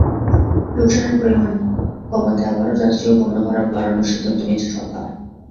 লোকসানের পরিমাণ কমাতে আবারও যাত্রী ও পণ্য ভাড়া বাড়ানোর সিদ্ধান্ত নিয়েছে সরকার।